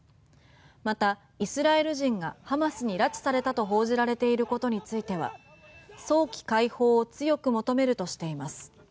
また、イスラエル人がハマスに拉致されたと報じられていることについては早期解放を強く求めるとしています。